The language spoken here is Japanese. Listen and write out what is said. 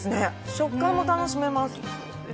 食感も楽しめます。